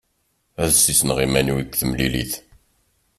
Ad d-ssisneɣ iman-iw deg temlilit.